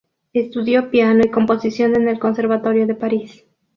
Estudió piano y composición en el conservatorio de París.